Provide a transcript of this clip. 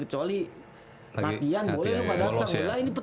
kecuali latihan boleh lu nggak datang